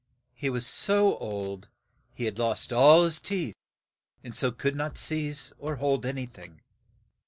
He was so old that he had lost all his teeth, and so could not seize or hold an y thing.